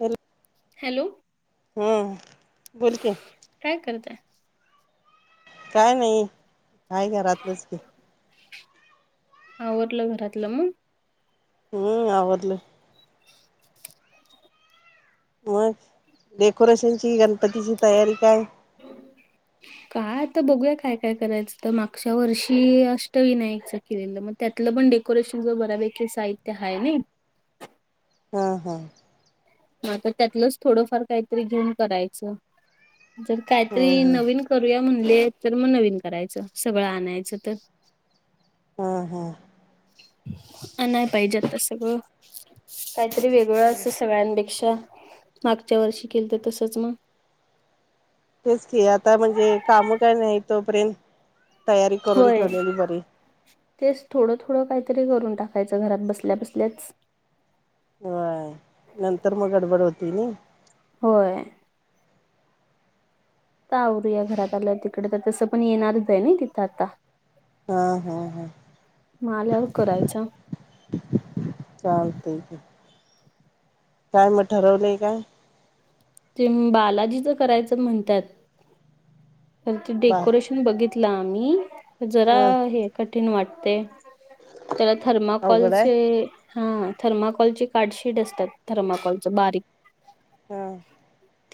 Hello hello अं बोलकी. काय करताय? काय नाही काय घरातलच की. आवरलं घरातल मग. हम्म आवरलं. मग डेकोरेशनची गणपतीची तयारी काय. [inaudible] काय आता बघूया काय काय करायचं. तर मागच्या वर्षी अष्टविनायकचं केलेलं मग. त्यातलं पण डेकोरेशनच बऱ्यापैकी साहित्य हाय नी. हा हा. हा तर त्यातलंच थोडंफार काहीतरी घेऊन करायचं. जर हम्म काहीतरी हम्म नवीन. करूया म्हणले, तर नवीन करायचं सगळं आणायचं तर. हा हा. आणाय पाहिजेत आता सगळं. काहीतरी वेगळं अस सगळं डे अशा मागच्या वर्षी केलं तसंच मग. तेच की आता म्हणजे, काम काय नाही तोपर्यंत तयारी करून होय ठेवलेली बरी. तेच थोडं थोडं काहीतरी करून टाकायचं. घरात बसल्या बसल्याच. ह नंतर मग गडबड होती नी. व्हयं. तर आवरूया घरात आलं. तिकडे तर तसं पण येणारच आहे ना तिथं आता. हा हा हा. मग आल्यावर करायचं चालते की, काय मग ठरवलंय काय. ते बालाजीच करायचं म्हणतात. तर ते बाय डेकोरेशन. बघितलं आम्ही जरा हा हे कठीण वाटते. त्याला अवघड आहे थर्माकॉलचे. हा थर्माकॉलची कार्डशीट असतात. थर्माकॉलचे बारीक. हा.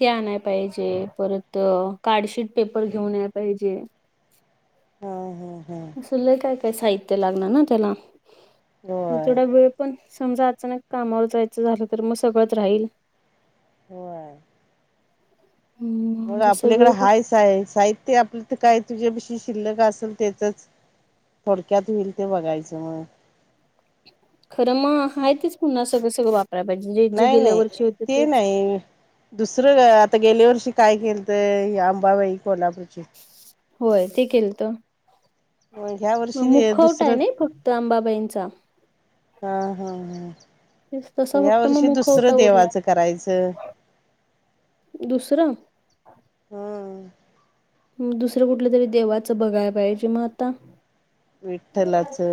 ते आणाय पाहिजे. परत कार्डशीट पेपर घेऊन याला पाहिजे. हा हा हा. असं लै काय काय साहित्य लागणार. ना त्याला आणि होय थोडा वेळ पण. समजा अचानक कामावर जायचं झालं, तर मग सगळंच राहील. व्हय. [inaudible] मग जसं आपल्या इकडं वेळ हाय सा आहे. साहित्य आपलं तर काय तुझ्यापाशी शिल्लक असेल त्यांचंच. थोडक्यात होईल ते बघायचं. खरं मग आहे तेच पुन्हा सगळं सगळं वापरायला. पाहिजेे जे नाही गेल्या नाही वर्षी होते तेच. [unintelligible] दुसरं काय आता गेल्या वर्षी काय केलंत. अंबाबाई कोल्हापूरची. होय ते केलंत. मग ह्या तर वर्षी मुखवट आहे दुसरं ना फक्त अंबाबाईंनचा. हा हा हा. तसा या फक्त मग वर्षी मुखवटा दुसरं उरलाय. देवाचं करायचं. दुसरं. हम्म मग दुसरं कुठलं तरी देवाचं बघायला पाहिजे मगं आता. विठ्ठलाचं.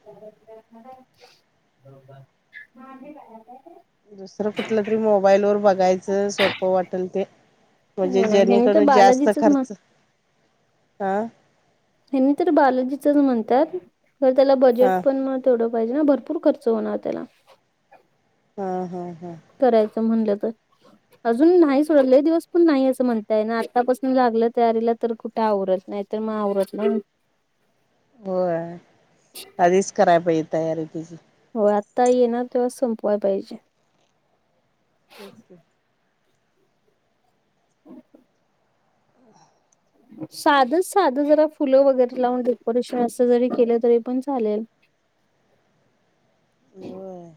[unintelligible] दुसरं कुठलं तरी मोबाईल वर बघायचं. सोप वाटल ते. म्हणजे होय ह्यांनी तर जेनीकरून जास्त बालाजीचच म्हण खर्च हां. हेनी तर बालजीच म्हणत्यात. खरं त्याला हा बजेट पण मग. तेवढं पाहिजे ना, भरपूर खर्च होणार त्याला. हा हा हा. करायचं म्हणलं तर. अजून नाही सोडा लय दिवस पण नाही असं म्हणता येणार. आत्तापासून लागलं तयारीला तर कुठं आवरल, नाही तर मग आवरत पण होय, आधीच कराय पाहिजे तयारी तीची. होय आत्ता येणार तेव्हाच संपवाय पाहिजे. तेच की. [inaudible] साधं साधं जरा फुलं वगैरे लावून डेकोरेशन असं जरी केलं, तरी पण चालेल. होय.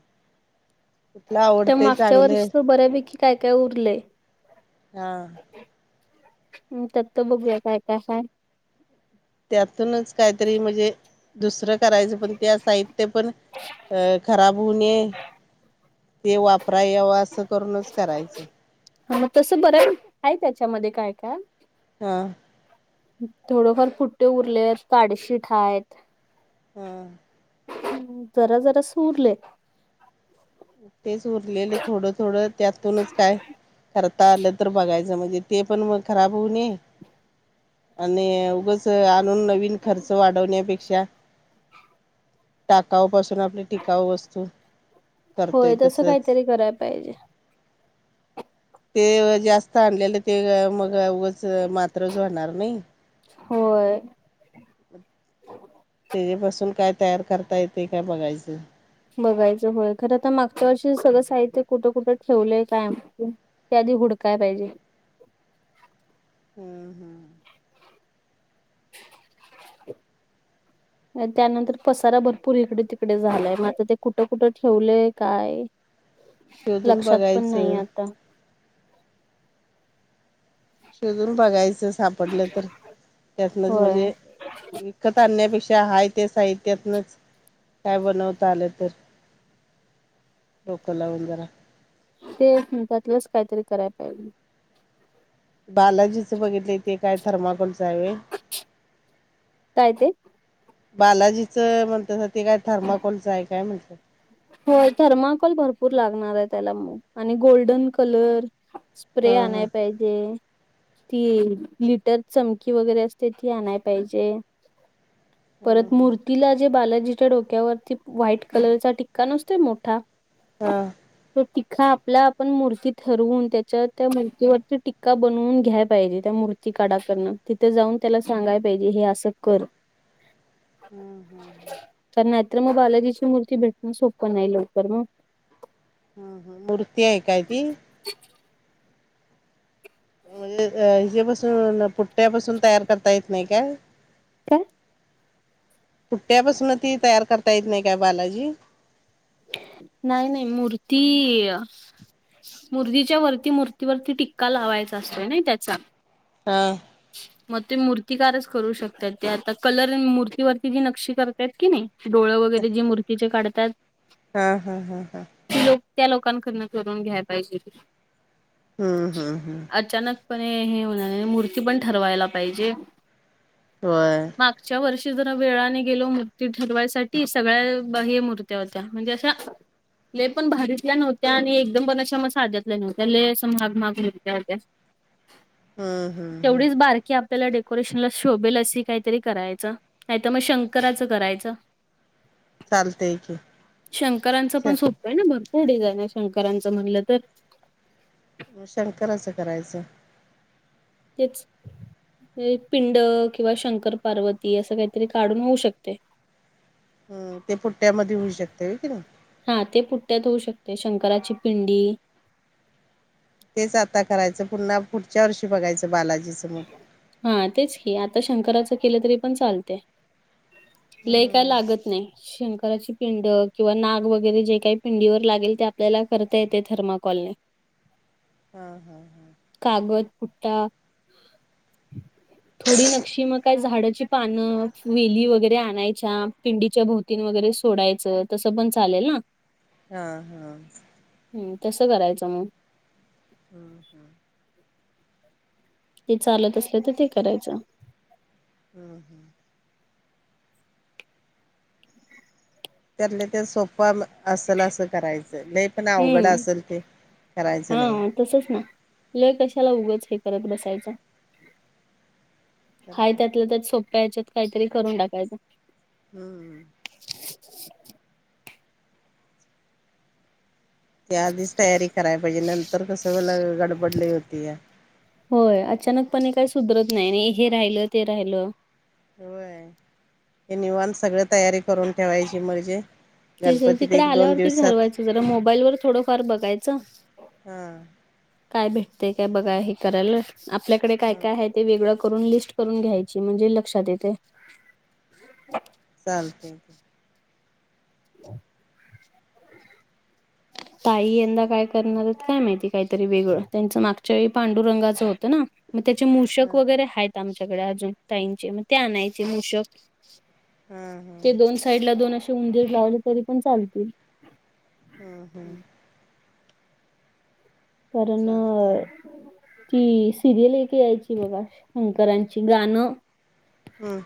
कुठलं त्या आवडतंय मागच्या चांगले वर्षीचं बऱ्यापैकी काय काय उरलंय. हां. म त्यात त बघूया काय काय हाय. त्यातूनच काहीतरी म्हणजे दुसरं करायचं पण त्या साहित्य पण अ खराब होवू नये. ते वापराय यावं, असं करूनच करायचं. मग तसं बऱ्यापैकी हाय त्याच्यामध्ये काय काय. हां. थोडंफार पुट्टे उरलेत, पाडशीट हायत ‌. हां. जरा जरासं उरलंय. तेच उरलेलं थोडं थोडं त्यातूनच काय खता आलं तर बघायचं, म्हणजे ते पण मग खराब होऊ नये. आणि उगच आणून नवीन खर्च वाढवण्यापेक्षा टाकाऊपासून आपली टिकाऊ वस्तू करतोय होय तसं तसच काहीतरी कराय पाहिजे. ते जास्त आणलेलं ते मग उगच मात्रच होणार नाही. होय. तेज्यापासून काय तयार करता येतंय काय बघायचं. बघायचं होय. खरं आता मागच्या वर्षीचं सगळं साहित्य कुठं कुठं ठेवलंय काय माहिती. ते आधी हुडकाय पाहिजे. हा हा. [inaudible] त्यानंतर पसारा भरपूर इकडे तिकडे झालाय, मग आता ते कुठं कुठं ठेवलंय काय शोधून लक्षात पण नाही बघायचं आता. शोधून बघायचं सापडलं तर, त्यातनच होय म्हणजे विकत आणण्यापेक्षा हाय ते साहित्यातनच काय बनवता आलं तर, डोकं लावून जरा. ते एक [unintelligible] दिवस काहीतरी कराय पाहिजे. बालाजीचं बघितलंय, ते काय थर्माकॉलचं हाय व्हय? काय ते? बालाजीचं म्हणतासा ते काय थर्माकॉलचं आहे काय म्हटलं. होय थर्माकॉल भरपूर लागणार आहे त्याला मग आणि गोल्डन कलर स्प्रे हा हा. आणाय पाहिजे. ती लिटर चमकी वगैरे असते, ती आणाय पाहिजे. हा परत हा. मूर्तीला जे बालाजीच्या डोक्यावरती व्हाईट कलरचा टिक्का नसतोय मोठा. हां. तो तिख्खा आपला आपण मूर्ती ठरवून. त्याच्या त्या मूर्तीवरती टिक्का बनवून घ्याय पाहिजे त्या मूर्ती काढा करण, तिथे जाऊन त्याला सांगाय पाहिजे हे असं कर. हं हं हं. कारण नाहीतर मग बालाजीची मूर्ती भेटण सोपं नाही लवकर मग. ह ह मूर्ती आहे काय ती. म्हणजे हजेपसून पुट्ट्यापसून तयार करता येत नाही काय. काय. पुठ्ट्यापसन ती तयार करता येत नाही काय बालाजी. नाही नाही मूर्ती अं. मूर्तीच्या वरती मूर्तीवरती टिक्का लावायचा असतोय ना तेचा. हां. मग ते मूर्तिकारच करू शकतात. ते आता कलर मूर्तीवरती जी नक्षी करतात कणी. डोळं वगैरे जे मूर्तीचे काढतात. हां हां हां हां. ते लोक त्या लोकांकडन करून घ्याय पाहिजे ते. हम्म हम्म हम्म. अचानकपणे हे होणार नाही. मूर्ती पण ठरवायला पाहिजे. व्हयं. मागच्या वर्षी जरा वेळाने गेलो. मूर्ती ठरवायसाठी सगळ्या बा हे मूर्त्या होत्या म्हणजे अशा. लै भारीतल्या नव्हत्या. आणि एकदम पण अशा मग साध्यातल्या नव्हत्या. लै असं महाग महाग होत्या. हम्म हम्. तेवढीच बारकी आप आपल्याला डेकोरेशनला शोभेल अशी काहीतरी करायचं. नाही तर मग शंकराचं करायचं. [inaudible] चालतेय की. शंकरांचं पण सोपं आहे ना, भरपूर डिझाईन आहे शंकरांचं म्हणलं तर. शंकराचं करायचं. तेच. हे पिंड किंवा शंकर पार्वती असं काहीतरी काढून होऊ शकते. [inaudible] हम ते पुट्ट्यामध्ये होऊ शकते होय कणी. हा ते पुट्ट्यात होऊ शकते शंकराची पिंडी. तेच आता करायचं. पुन्हा पुढच्या वर्षी बघायचं बालाजीचं मग. हा तेच की आता शंकराच केलं तरी पण चालते. लै काय हम्म लागत नाही. शंकराची पिंड किंवा नाग वगैरे जे काही पिंडीवर लागेल. ते आपल्याला करता येते थर्माकॉलने. [inaudible] हा हा हा. कागद पुट्टा. थोडी नक्षी मग काय झाडाची पानं वेली वगैरे आणायच्या. पिंडीच्या भोवतीन वगैरे सोडायचं. तसं पण चालेल ना. हा हा. ह तसं करायचं मग. हम्म हं. ते चालत असलं तर ते करायचं. हां हां. त्यातल्या त्यात सोप्प असल असं करायचं. लय पण अवघड असेल ते करायचं नाही. तसच ना, लय कशाला उगच हे करत बसायचं. हा करतात त्यातलं त्यात सोप्या याच्यात काहीतरी करून टाकायचं. हम्म. त्या आधीच तयारी कराय पाहिजे, नंतर कसं होणार गडबड लय होत्या. होय अचानकपणे काही सुधरत नाही आणि हे राहिलं ते राहिलं. होय, हे निवांत सगळं तयारी करून ठेवायची म्हणजे ते जर गणपतीत तिकडं एक दोन आल्यावरती दिवसात ठरवायचं, जरा मोबाईल वर थोडंफार बघायचं. हा काय भेटतंय काय बघा हे करालं, आपल्याकडे काय हा काय हाय ते वेगळं करून लिस्ट करून घ्यायची म्हणजे लक्षात येतंय. चालतंय. [inaudible] ताई यंदा काय करणार हाईत काय माहिती काहीतरी वेगळं. त्यांचं मागच्या वेळी पांडुरंगाचं होतं ना. मग त्याचे मूषक हा वगैरे हायत आमच्याकडे अजून ताईंचे, मग ते आणायचे मूषक. हा ते दोन साईडला दोन असे उंदीर लावले, तरी पण चालतील. हम्म हम्म. कारण चालते की सिरियल एक यायची बघा. शंकरांची गाणं हां.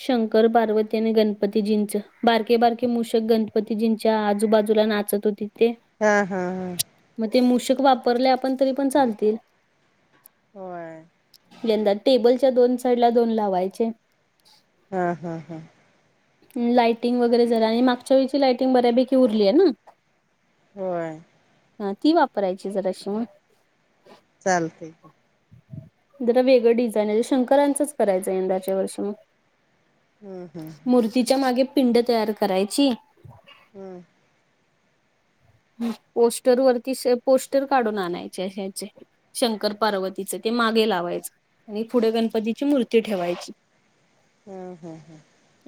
शंकर, पार्वती आणि गणपतीजींचं. बारके बारके मूषक गणपतीजींच्या आजूबाजूला नाच त होती ते. हां हां हां. मग ते मूषक वापरले आपण तरी पण चालतील. होय. यंदा टेबलच्या दोन साईडला दोन लावायचे. हा हा हा. लायटिंग वगैरे जरा आणि मागच्या वेळची लायटिंग बऱ्यापैकी उरली आहे ना. होय. हां ती वापरायची जराशी मग. चालतंय. जरा वेगळं डिझाईन आहे, ते शंकरांचंच करायचं हाय यंदाच्या वर्षी. हं हं. तिच्यामागे पिंड तयार करायची. हम्म. हं पोस्टर वरती [unintelligible] पोस्टर काढून आणायचे ह्याचे. शंकर, पार्वतीचं ते मागे लावायचं आणि पुढे गणपतीची मूर्ती ठेवायची. [inaudible] हां हां.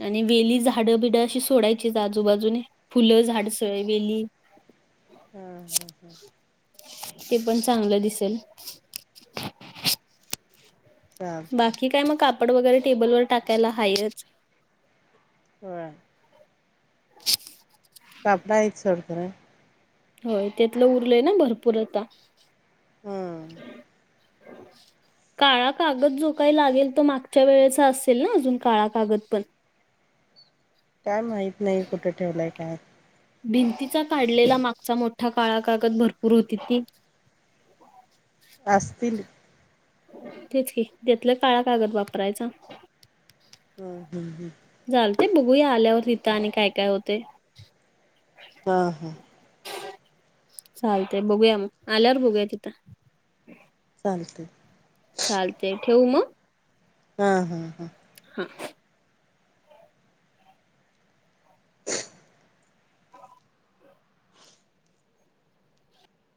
आणि वेली, झाडं बिड अशी सोडायचीच आजूबाजूने, फुलं झाड स वेली. हां हां हां. ते पण चांगलं दिसेल. चालते बाकी काय मग कापड वगैरे टेबलवर टाकायला हायच. होय. [unintelligible] सर खरं. होय त्यातलं उरलंय ना भरपूर आता. हम्म काळा कागद जो काही लागेल तो, मागच्या वेळेचा असेल ना अजून काळा कागद पण. काय माहीत नाही कुठे ठेवलंय काय. भिंतीचा काढलेला मागचा मोठा काळा कागद भरपूर होती ती. असतील. तेच कि त्यातला काळा कागद वापरायचा. हा हा हा. चालते बघूया आल्यावर हिथ आणि काय काय होतंय. हा हा. चालतंय बघूया मग आल्यावर बघूया तिथं. चालतंय. चालतंय ठेवू मग. हा हा हा. हा.